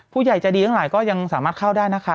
ผู้ใหญ่ใจดีทั้งหลายก็ยังสามารถเข้าได้นะคะ